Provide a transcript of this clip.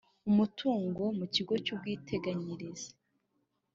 Umutungo mu kigo cy Ubwiteganyirize